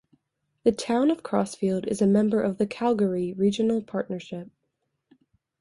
The Town of Crossfield is a member of the Calgary Regional Partnership.